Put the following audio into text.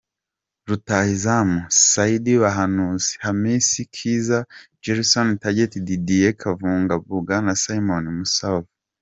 Rutahizamu: Saidi Bahanuzi, Hamisi Kiiza, Jerryson Tegete, Didier Kavumbagu na Simon Msuva.